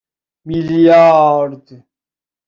میلیارد